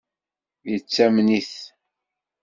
Yettamen-it?